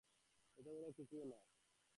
এত বড় কিছুও না এটা।